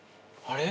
あれ？